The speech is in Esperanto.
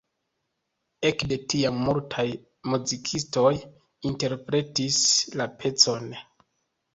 Ekde tiam multaj muzikistoj interpretis la pecon.